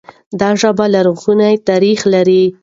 دا ژبه لرغونی تاريخ لري.